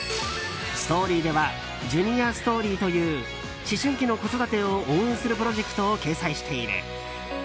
「ＳＴＯＲＹ」では「ＪｕｎｉｏｒＳＴＯＲＹ」という思春期の子育てを応援するプロジェクトを掲載している。